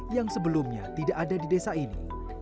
yang sebelumnya tidak ada di desa ini